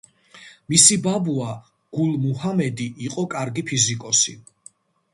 მისი ბაბუა გულ მუჰამედი იყო კარგი ფიზიკოსი.